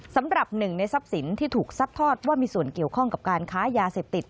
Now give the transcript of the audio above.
สำหรับหนึ่งในทรัพย์สินที่ถูกซัดทอดว่ามีส่วนเกี่ยวข้องกับการค้ายาเสพติด